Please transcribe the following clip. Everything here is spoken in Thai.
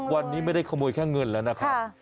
วันนี้ไม่ได้ขโมยแค่เงินแล้วนะครับ